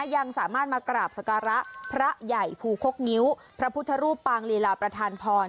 ยังสามารถมากราบสการะพระใหญ่ภูคกงิ้วพระพุทธรูปปางลีลาประธานพร